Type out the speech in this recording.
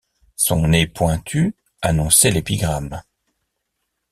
Son nez pointu annonçait l’épigramme.